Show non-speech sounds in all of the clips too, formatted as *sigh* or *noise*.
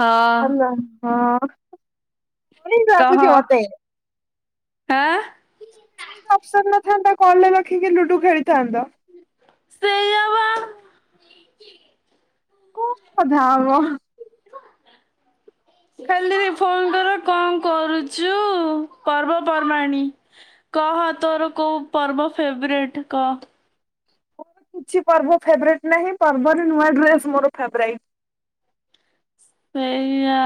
ହଁ ହାଲୋ ହଁ। ସେଇ କହ ଲାଗୁଛି ହଁ। ମତେ। ଏମିତି ଅପସନ ନଥାନ୍ତା କଲରେ ରଖିକି ଲୁଡୁ ଖେଳିଥାନ୍ତ। ସେଇଆ ବା *unintelligible* କାଲି ବି ଫୋନ କର କଣ କରୁଛୁ ପର୍ବପର୍ବାଣି କହ ତୋର କୋଉ ପର୍ବ ଫେବରେଟ କହ? କିଛି ପର୍ବ ଫେବରଟ ନାହିଁ ପର୍ବରେ ନୂଆ ଡ୍ରେସ୍ ମୋର ଫେବରାଇଟ। ସେଇଆ।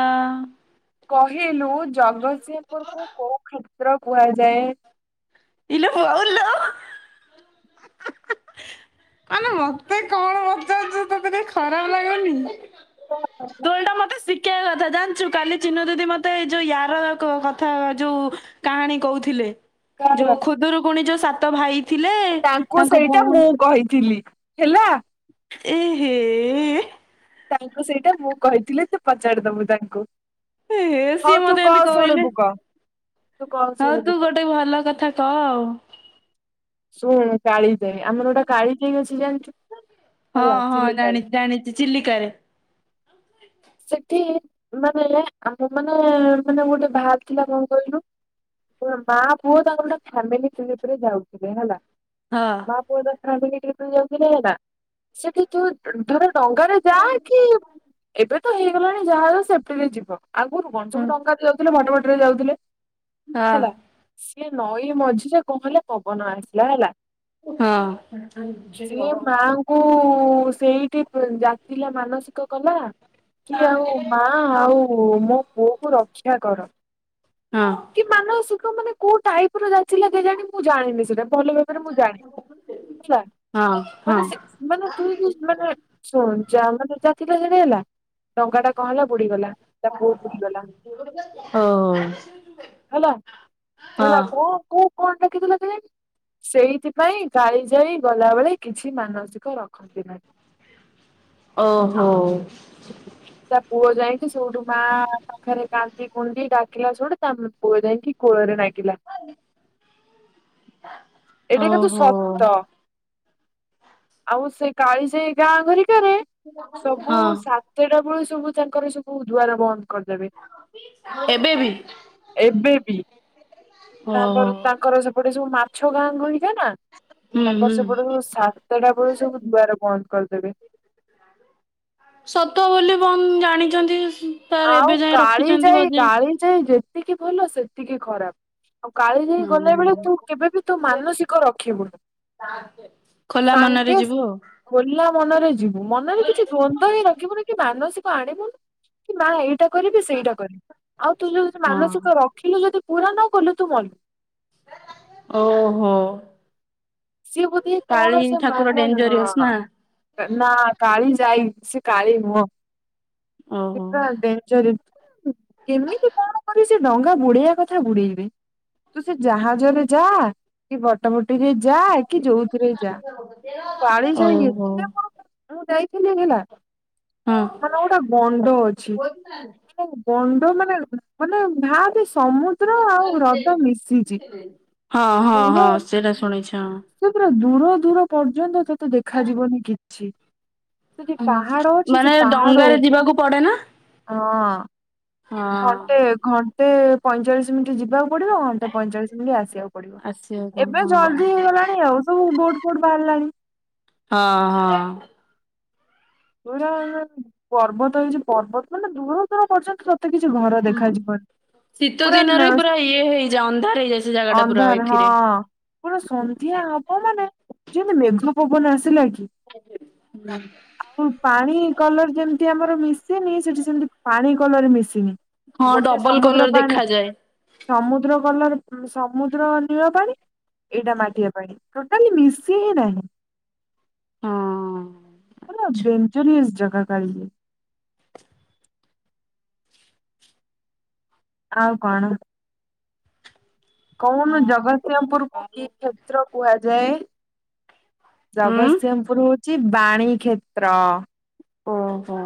କହିଲୁ ଜଗତସିଂହପୁରକୁ କୋଉ କ୍ଷେତ୍ର କୁହାଯାଏ? ଇଲୋ ବୋଉ ଲୋ ମାନେ ମତେ କଣ ପଚାରୁଛୁ ତତେ ଟିକେ ଖରାପ ଲାଗୁନି। ତୁ ଓଲଟା ମତେ ଶିଖ ଇବା କଥା ଜାଣିଛୁ କାଲି ଚିନୁ ଦିଦି ମତେ ଯୋଉ ୟାର କଥା ଯୋଉ କାହାଣୀ କହୁଥିଲେ ଯୋଉ କାର ଖୁଦୁରୁକୁଣୀ ଯୋଉ ସାତ ଭାଇ ଥିଲେ। ତାଙ୍କୁ ତାଙ୍କ ସେଇଟା ମୁଁ ଭଉଣୀ କହିଥିଲି ହେଲା। ଏହେ ଏ ତାଙ୍କୁ ସେଇଟା ମୁଁ କହିଥିଲି ତୁ ପଚାରି ଦବୁ ତାଙ୍କୁ। ହଉ ସିଏ ତୁ ମତେ କହ ଏମିତି ଶୁଣିବୁ କହିଲେ। କହ। ତୁ କଣ ହଉ ଶୁଣିବୁ ତୁ କହ ଗୋଟେ ଭଲ କଥା କହ ଆଉ। ଶୁଣ କାଳିଜାଇ ଆମର ଗୋଟେ କାଳିଜାଇ ଅଛି ଜାଣିଛୁ। ହଁ ହେଲା ହଁ ଚିଲିକାରେ। ଜାଣିଛି ଜାଣିଛି ଚିଲିକାରେ। ସେଠି ମାନେ ଆମ ମାନେ ମାନେ ଗୋଟେ ବାହାର ଥିଲା କଣ କହିଲୁ। ମା ପୁଅ ତାଙ୍କର ଗୋଟେ ଫ୍ୟାମିଲି *unintelligible* ରେ ଯାଉଥିଲେ ହେଲା। ହଁ ମା ପୁଅ ଫାମିଲି ଟ୍ରିପରେ ଯାଉଥିଲେ ହେଲା ସେଠି। ତୁ ଧର ଡଙ୍ଗାରେ ଯା କି ଏବେ ତ ହେଇଗଲାଣି ଯାହାଜ ସେପଟିରେ ଯିବ। ଆଗରୁ କଣ ହଁ ସବୁ ଡଙ୍ଗା ଦେଇ ଯାଉଥିଲେ ଭଟ ଭଟରେ ଯାଉଥିଲେ ହେଲା। ହଁ ସିଏ ନଈ ମଝିରେ କଣ ହେଲା ପବନ ଆସିଲା ହେଲା। ହଁ *unintelligible* କୁ ସେଇଠି ଯାଚିଲା ମାନସିକ କଲା। କି ଆଉ ମା ଆଉ ମୋ ପୁଅକୁ ରକ୍ଷା କର। ହଁ କି ମାନସିକ ମାନେ କୋଉ ଟାଇପର ଯାଚିଲା କେଜାଣି ମୁଁ ଜାଣିନି ସେଟା। ଭଲ ଭାବରେ ମୁଁ ଜାଣିନି ହେଲା ହଁ ମାନେ ସେ ମାନେ ତୁଇ କି ମାନେ ଶୁଣ ଯା ମାନେ *unintelligible* ସେଟା ହେଲା। ଟଙ୍କା ଟା କଣ ହେଲା ବୁଡିଗଲା ତା ପୁଅ ବୁଡିଗଲା। ହଁ ଓ ହେଲା ହେଲା ହଁ କୋଉ କୋଉ କଣ ଦେଖିଥିଲେ ସେ? ସେଇଥିପାଇଁ କାଳିଜାଇ ଗଲାବେଳେ କିଛି ମାନସିକ ରଖନ୍ତି ନାହିଁ। ଓହୋ। ତା ପୁଅ ଯାଇଛି ସେଉଠୁ ମା ପାଖରେ କାନ୍ଦି କୁଣ୍ଡି ଡାକିଲା ସେଇଠୁ ତା ପୁଅ ଯାଇକି କୋଳ ରେ ନାଗିଲା। *unintelligible* ଏଟା କିନ୍ତୁ ଓହୋ ସତ ଆଉ ସେ କକାଳିଜାଇ ଗାଁ ଘରିକାରେ ସବୁ ହଁ ସା ସେଇଟା ଭଳି ସବୁ ତାଙ୍କର ସବୁ ଦୁ୍ଆର ବନ୍ଦ କରିଦେବେ। ଏବେ ବି ଏବେ ବି, ଓହୋ। ତାପର ତାଙ୍କର ସ ସେପଟେ ଯୋଉ ମାଛ ଗାଁ ଗହଳିିକା ନା ହୁଁ ତାଙ୍କର ହୁଁ ସେପଟେ ଯୋଉ ସା ତଟା ବେଳୁ ସବୁ ଦୁଆର ବନ୍ଦ କରିଦେବେ। ସତ ବୋଲି ବ ଜାଣିଛନ୍ତି ତାର ଆଉ ଏବେ ଯାଏ ରଖିଛନ୍ତି କାଳିଜାଇ ବଜେଇ। କାଳିଜାଇ ଯେତିକି ଭଲ ସେତିକି ଖରାପ। ଆଉ କାଳିଜାଇ ଗଲା ବେଳେ ହୁଁ ତୁ କେବେ ବିି ତୁ ମାନସିକ ରଖିବୁନି। *unintelligible* ଖୋଲା ମନରେ ଯିବୁ ଆଉ। ଖୋଲା ମନରେ ଯିବୁ ମନରେ କିଛି ଦ୍ଵନ୍ଦ୍ୱ ହିଁ ରଖିବୁନି କି ମାନସିକ ଆଣିବୁନୁ କି ମା ଏଇଟା କରିବି ସେଇଟା କରିବି ଆଉ ତୁ ଯୋଉ ଯଉ ଆଉ ମାନସିକ ର ରଖିଲୁ ଯଦି ପୁରା ନ କଲୁ ତୁ ମଲୁ ଓହୋ। ସି ବୁଦ୍ଧି କାଳୀ କଣ ସେ ଠାକୁର ମାନ ଡେଞ୍ଜରିୟସ ହଁ ନା। ନା କାଳିଜାଇ ସେ କାଳି ନୁହଁ ସେ ଓହୋ ପୁରା ଡେନ୍ଜରି କେମିତି କଣ କରି ସେ ଡଙ୍ଗା ବୁଡେଇବା କଥା ବୁଡେଇବେ ତୁ ସେ ଜାହାଜରେ ଯା କି ବଟ ବଟିରେ ଯା କି ଯୋଉଥିରେ ଯା। କାଳିଜାଇ ଓହୋ ଏତେ କଣ ମୁଁ ଯାଇଥିଲି ହେଲା ହଁ ମାନେ ଗୋଟେ ଗଣ୍ଡ ଅଛି ମାନେ ଗଣ୍ଡ ମାନେ ମାନେ ଭାବରେ ସମୁ ଦ୍ର ଆଉ ହ୍ରଦ ମିଶିଛି ଦୂର ପଳେଇଛ ସେ ପୁରା ଦୂର ଦୂର ପର୍ଯ୍ୟନ୍ତ ତତେ ଦେଖା ଯିବନି କିଛି। ସେ ଯେ ପାହାଡ ଅଛି ମାନେ ସେ ପାହାଡ ଡଙ୍ଗାରେ ଯିବାକୁ ପଡେ ନା ଉପ ହଁ। ଘଣ୍ଟେ ହଁ ଘଣ୍ଟେ ପଇଁଚାଳିଶ ମିନିଟ ଯିବାକୁ ପଡିବ ଘଣ୍ଟା ପଇଁଚାଳିଶ ମିନିଟ୍ ଆସିବାକୁ ପଡିବ ଆସିବାକୁ ଏବେ ହଁ। ଜଲ୍ଦି ହେଇଗଲାଣି ଆଉ ସବୁ ବୋଟ ଫୋଟ ବାହାରିଲାଣି ହଁ ହଁ। ପୂରା ପର୍ବତ ହେଇଛି ପର୍ବତ ମାନେ ଦୂର ଦୂର ପ୍ରଯ୍ୟନ୍ତ ତ ତେ କିଛି ଘର ଦେଖାଯିବନି ଶୀତ ପୁରା ଦିନରେ ନେ ପୁରା ଇଏ ହେଇଯାଏ ଅନ୍ଧାର ହେଇଯାଏ ସେ ଜାଗା ଟା ପୁରା ଏଥିରେ ପଣ ସନ୍ଧ୍ୟା ହବ ମାନେ ଯେମତି ମେଘ ପବନ ଆସିଲା କି ଆଜି *unintelligible* ଆ ପାଣି କଲର ଯେମିତି ଆମର ମିଶେନି ସେଠି ସେମିତି ପାଣି କଲର ମିଶିନି ହଁ ଗୋଟେ ଡବଲ କଲର ସମୁଦ୍ର ପାଣି ଦେଖାଯାଏ ସମୁଦ୍ର କଲର ଉ ସମୁଦ୍ର ନିଳ ପାଣି ଏଇଟା ମାଟିିଆ ପାଣି ଟୋଟାଲି ମିଶି ହିଁ ନାହିଁ ହଁ। ପୂରା ଡେନ୍ଜରିୟସ୍ ଜାଗା କାଳିଜାଇ। ଆଉ କଣ କହୁନୁ ଜଗତସିଂହପୁର କୁ କି କ୍ଷେତ୍ର କୁହାଯାଏ ହୁଁ ଜଗତସିଂହପୁର ହୋଉଚି ବାଣୀ କ୍ଷେତ୍ର। ଓହୋ।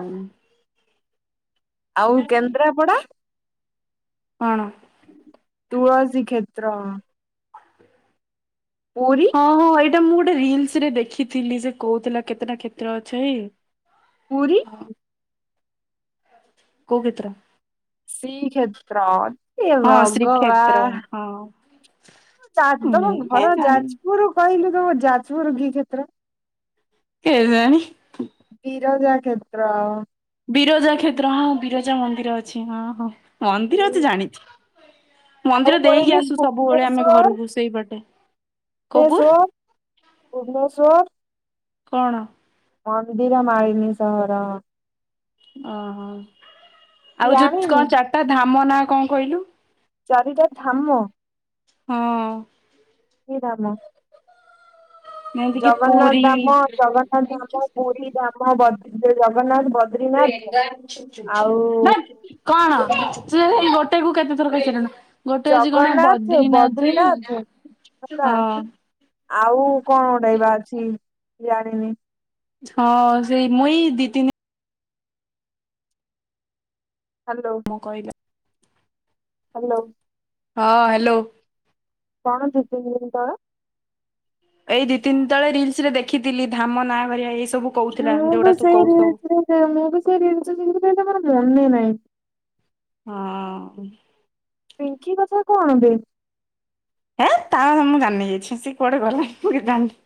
ଆଉ କେନ୍ଦ୍ରାପଡା? କଣ? ତୁଳସୀ କ୍ଷେତ୍ର। ପୁରୀ ହଁ ହଁ ଏ ଏଇଟା ମୁଁ ଗୋଟେ ରିଲସ ରେ ଦେଖିଥିଲି ଯେ କୋଉଥିଲା କେତେଟା କ୍ଷେତ୍ର ଅଛି। ପୁରୀ। କୋଉ କ୍ଷେତ୍ର? ଶ୍ରୀକ୍ଷେତ୍ର ଏ ହଁ ଶ୍ରୀକ୍ଷେତ୍ର ଭଗଵାନ। ହଁ। ତମ ମୁଁ କାଇଁ ଘର ଜାଣିନି ଯାଜପୁର କହିଲୁ ତମ ଯାଜପୁର କି କ୍ଷେତ୍ର? କେଜାଣି। ବିରଜା କ୍ଷେତ୍ର। ବିରଜା କ୍ଷେତ୍ର ହଁ ବିରଜା ମନ୍ଦିର ଅଛି ହଁ ହଁ ଏ ମନ୍ଦିର ଅଛି ଜାଣିଛି। ଆଉ ମନ୍ଦିର ଦେଇକି କହିଲୁ ଆସୁ ସବୁବେଳେ ଆମେ ଘରକୁ ସେଇବାଟେ। ଭୁବନେଶ୍ୱର ଭୁବନେଶ୍ୱର। କଣ? ମନ୍ଦିର ମାଳିନୀ ସହର। ଓହୋ ଆଉ ଯୋଉ ଜାଣିନୁ କଣ ଚାରିଟା ଧାମ ନାଁ କଣ କହିଲୁ? ଚାରିଟା ଧାମ ହଁ। କି ଧାମ? ଯେମିତିକି ଜଗନ୍ନାଥ ପୁରୀ ଧାମ ଜଗନ୍ନାଥ ଧାମ ପୁରୀ ଧାମ ଜଗନ୍ନାଥ ବଦ୍ରିନାଥ। କଣ ଆଉ ତୁତ ସେଇ ଗୋଟେ କୁ କେତେ ଥର କହିସାରିଲୁନି। ଗୋଟେ ଜଗନ୍ନାଥ ଆଜି ବଦ୍ରିନାଥ କଣ ବଦ୍ରିନାଥ ହେଲା ହଁ। ଆଉ କଣ ଗୋଟାଏବା ଅଛି ଜାଣିନି। ହଁ ସେଇ ମୁଁ ଏଇ ଦିଇ ତିନି ହାଲୋ। ମୁଁ କହିଲା। ହାଲୋ। ହଁ ହାଲୋ। କଣ ଦିଇ ତିିିନି ଡିନି କଣ? ଏଇ ଦିଇ ତିନି ତଳେ ରିଲସ୍ ରେ ଦେଖିଥିଲି ଧାମ ନାଁ କରିବାଆ ଏଇ ସବୁ କହୁଥିଲା ମୁଁ ଯୋଉଟା ବି ତୁ ସେଇ କହୁ ସବୁ ରିଲ୍ସ ରେ ମୁଁ ବି ସେଇ ରିଲସ କ ମୋର ମନେ ନାହିଁ। ହଁ। ପିଙ୍କି କଥା କଣ ବେ? ହେଁ ତା କଥା ମୁଁ ଜାନି କିଛି ସେ କୁଆଡେ ଗଲାଣି ମୁଁ କିଛି ଜାଣିନି।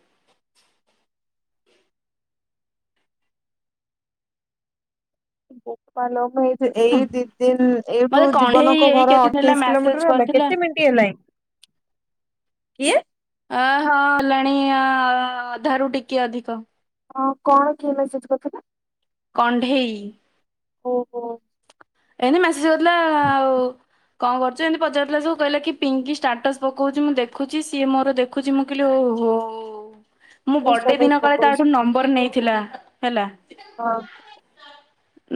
ପାଲଇ ଏଇ ଦି ଦିନ୍ ଏଇଠୁ ମତେ କଣ୍ଢେଇ ଜୀବନଙ୍କ ଏଇ ଘର କେତେଦିନ ହେଲା ଅଠେଇଶି କିଲୋମିଟର ମେସେଜ ହେଲା କରିଥିଲା କେତେ ମିନିଟ୍ ହେଲାଣି? କିଏ? ଆଁ ହଁ ହେଲାଣି ଅଧା ରୁ ଟିକି ଅଧିକ। ଅ କଣ କିଏ ମେସେଜ କରିଥିଲା? କଣ୍ଢେଇ। ଓହୋ। ଏଇନେ ମେସେଜ୍ କରିଥିଲା। ହ ଆଉ କଣ କରୁଛୁ। ଏମିତି ପଚାରୁଥିଲା ସବୁ କହିଲା କି, ପିଙ୍କି ଷ୍ଟାଟସ୍ ପକଉଛି ମୁଁ ଦେଖୁଛି ସିଏ ମୋର ଦେଖଛି। ମୁ ଗ ଦ କିଏ ଷ୍ଟାଟସ୍ କଠ ପକଉଛି *inaudible* ଖବରନେଇଥିଲା ହେଲା ହଁ।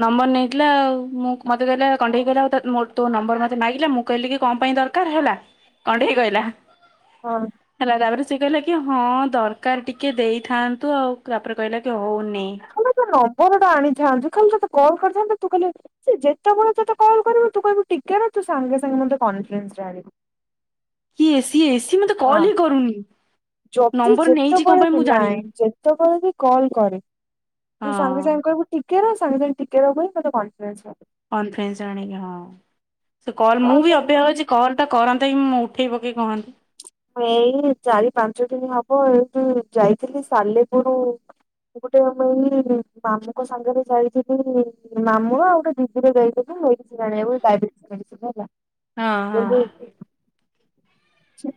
ନମ୍ବର ନେଇଥିଲା ଆଉ ମୁଁ। ମୋତେ ଧରି କଣ୍ଢେଇ କହିଲା ଆ ଉ ମୋ ତୋ ନମ୍ବର ମତେ ମାଗିଲା। ମୁଁ କହିଲି କି କଣ ପାଇଁ ଦରକାର ହେଲା। କଣ୍ଡେଇ କହିଲା। ହଁ। ହେଲା ତାପରେ ସେ କହିଲା କି। ହଁ ଦରକାର ଟିକେ ଦେଇଥାନ୍ତୁ। ଆଉ ତାପରେ କହିଲା କି ହଉନେ। ଖାଲି ସେ ନମ୍ବର ଟା ଆଣିଥାନ୍ତୁ ଖାଲି ତତେ କଲ୍ କରିଥାନ୍ତି ତୁ ଖାଲି ସେ ଯେତେବେଳେ ତତେ କଲ କରିବୁ। ତୁ କହିବୁ ଟିକେ ର ହ। ତୁ ସାଙ୍ଗେ ସାଙ୍ଗେ ମୋତେ କନଫରେନ୍ସ ରେ ଆଣିବୁ। *inaudible* କିଏ ସିଏ, ସିିଏ ମତେ ହଁ କଲ୍ ହିଁ କରୁନି। ଯଦି ନମ୍ବର ନେଇଛି କଣ ଯେତେବେଳେ ପାଇଁ ବି ମୁଁ ନାଇ ଜାଣିନି ଯେତେବେଳେ ବି କଲ୍ କରେ ତୁ ହଁ ସାଙ୍ଗେ ସାଙ୍ଗେ କହିବୁ ଟିକେ ରହ ସାଙ୍ଗେ ସାଙ୍ଗେ ଟିକେ ରହ କହି କନଫରେନ୍ସ କନଫରେନ୍ସ୍ ଆଣିକି ହଁ। ସେ କଲ ମୁଁ ବି ଅପେକ୍ଷା ଲାଗୁଛି। କରିଛି କଲ୍ ଟା କରନ୍ତା କି, ମୁଁ ଉଠେଇ ପକେଇ କହନ୍ତି। ମୁଁ ଏଇ ଚାରି ପାଞ୍ଚ ଦିନି ହବ ଏଇଠୁ ଯାଇଥିଲି। ସାଲେପୁୁରୁ ମୁଁ ଗୋଟେ ଆମ ଏଇ ମାମୁଙ୍କ ସାଙ୍ଗେରେ ଯାଇଥିଲି ମାମୁଁ ଆଉ ଗୋଟେ ଦିଦି ରେ ଯାଇଥିଲୁ। ମେଡିସିନି ଆଣିବାକୁ ଡାଇବେଟିସ୍ ମେଡିସିନ୍ ହେଲା। ହଁ ଯୋଉ ହଁ।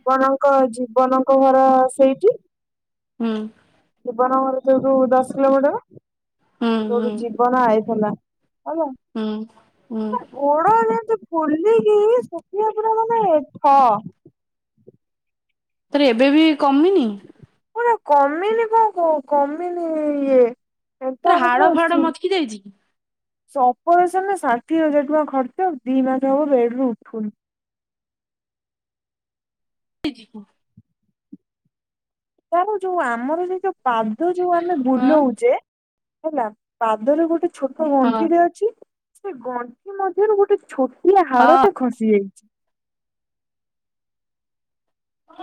ଆପଣଙ୍କ ଜୀବନଙ୍କ ଘର ସେଇଠି? ହୁଁ। ଜିବନ ଘର ଯୋଉ ସେଇଠୁ ଦଶ କିଲୋମିଟର ହୁଁ ଯୋଉଠୁ ହୁଁ ଯି ଜିବନ ଆଇଥିଲା ହେଲା ଉଁ ଉଁ ଗୋଡ ଯେମିତି ଫୁଲିକି ଶୁଖିଲା ପୁରା ମାନେ ଠ *inaudible* ତୋର ଏବେ ବି କମିନି। *unintelligible* କମିନି କଣ କହୁଚ କମିନି ଇଏ ତୋର ହାଡ ଫାଡ ମଚକି ଯାଇଛି *unintelligible* ସେ ଅପରେସନ ରେ ଷାଠିଏ ହଜାର ଟଙ୍କା ଖର୍ଚ୍ଚ ଦି ମାସ ହବ ବେଡ ରୁ ଉଠୁନି। *unintelligible* ତାର ଯୋଉ ଆମର ଯେତେ ଯୋଉ ପାଦ ଯୋଉ ଆମେ ହଁ ବୁଲୋଉଛେ ହେଲା ପାଦରେ ଗୋଟେ ଛୋଟ ହଁ ଗଣ୍ଠିଟେ ଅଛି ସେ ଗଣ୍ଠି ମଧ୍ୟରୁ ଗୋଟେ ଛୋଟିଆ ହଁ ହାଡଟେ ଖସି ଯାଇଛି।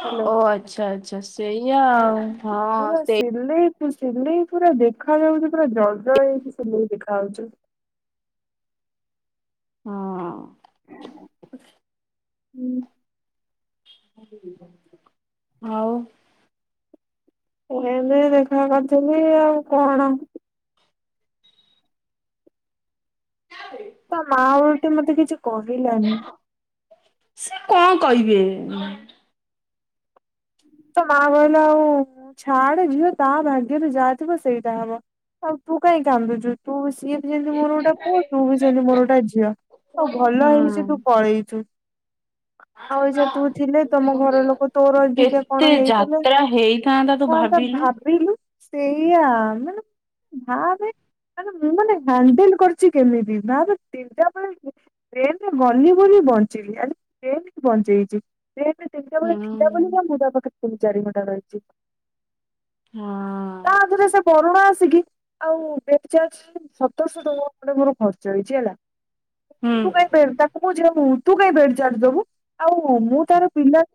ହାଲୋ। ଓ ଆଚ୍ଛା! ଆଚ୍ଛା! ସେଇଆ ଆଉ ହଁ ପୁରା ସେଇ ସିଲେଇ ଜାଜ ତୁ ସିଲେଇ ପୁରା ଦେଖା ଯାଉଚି ପୁରା ଜଳ ଜଳ ହେଇକି ସିଲେଇ ଦେଖା ଯାଉଛି। ହଁ। *unintelligible* *inaudible* ଆଉ *unintelligible* ଦେଖା କରିଥିଲି ଆଉ କଣ? ତା ମା ଆଉ ଏତେ ମତେ କିଛି କହିଲାନି। *inaudible* କଁ କହିବେ ତା ମା କହିଲା ଆଉ ଛାଡେ ଝିଅ ତା ଭାଗ୍ୟରେ ଯାହା ଥିବ ସେଇଆ ହବ। ଆଉ ତୁ କାଇଁ କାନ୍ଦୁଚୁ ତୁ ସିଏ ବି ଯେମ୍ତି ମୋର ଗୋଟା ପୁଅ, ତୁ ବି ସେମ୍ତି ମୋର ଗୋଟା ଝିଅ। ଆଉ ଭଲ ହେଇଚି ହୁଁ ସେ ତୁ ପଳେଇଚୁ। ଆଉ ଏଯୋଉ ତୁ ଥିଲେ ତମ ଘର ଲୋକ ତୋର ଅଧିକା ଏତେ କଣ ହେଇଥିଲେ ଯାତ୍ରା ହେଇଥାନ୍ତା ତୁ ହଁ ତ ଭାବିଲୁ ସେଇଆ ମାନେ ଭାବେ ମାନେ ମୁଁ ମାନେ ହାଣ୍ଡେଲ୍ କରିଚି କେମିତି, ଭାବେ ତିନ୍ଟା ବେଳେ ଟ୍ରେନେରେ ଗଲି ବୋଲି ବଞ୍ଚିଲି ଆଜି ଟ୍ରେନେ ବଞ୍ଚେଇଚି। ହୁଁ। ତିନି ଚାରି ଘଣ୍ଟା *unintelligible* *inaudible* ତାଧେରେ ସେ ବରୁଣ ଆସିକି ଆଉ *unintelligible* ସତରଶହ ଟଙ୍କା ଖଣ୍ଡେ ମୋର ଖର୍ଚ୍ଚ ହେଇଚି ହେଲା। ହୁଁ *unintelligible* ତାକୁ କହୁଚି ନା ମୁଁ। ତୁ କାଇଁ ବେଡ୍ ଚାର୍ଜ ଦବୁ, ଆଉ ମୁଁ ତାର ପିଲା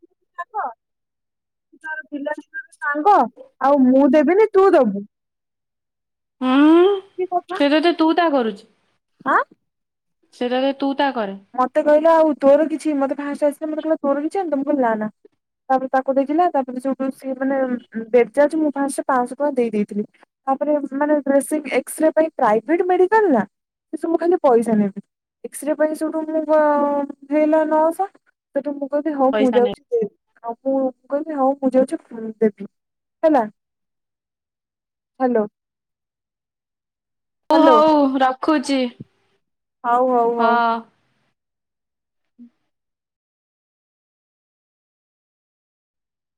*unintelligible* ସାଙ୍ଗ ଆଉ ମୁଁ ଦେବିନି ତୁ ଦବୁ। ହୁଁ କି କଥା ସେ ତତେ ତୁ ତା କରୁଚି। ଆଁ? ସେ ତତେ ତୁ ତା କରେ? ମତେ କହିଲା ଆଉ ତୋର କିଛି ମତେ ଫାଷ୍ଟେ ଆସିିଲା, ମତେ କହିଲା ତୋର କିଛି ହେଇନି ତ ମୁଁ କହିଲି ନା-ନା। ତାପରେ ତାକୁ ଦେଇଥିଲା ତାପରେ ସେ ସେଉଠୁ ସେ ମାନେ ବେଡ୍ ଚାର୍ଜ ମୁଁ ଫାଷ୍ଟ ପାଞ୍ଚଶହ ଟଙ୍କା ଦେଇ ଦେଇଥିଲି। ତାପରେ ମାନେ *unintelligible* ଏକ୍ସରେ ପାଇଁ ପ୍ରାଇଭେଟ୍ ମେଡିକାଲ୍ ନା। ସବୁ ଖାଲି ପଇସା ନେବେ, ଏକ୍ସରେ ପାଇଁ *unintelligible* ନଅଶହ ତ ତୁମକୁ କହିବି ହଉ ମୁଁ ପଇସା ନେ ଯାଉଚି ଦେ। ଆଉ ମୁଁ କହିବି ହଉ ମୁଁ ଯାଉଚି ଦେବି ହେଲା। ହାଲୋ, ହଉ ହାଲୋ। ହଉ ମୁଁ ରଖୁଚି। ହଉ-ହଉ-ହଉ।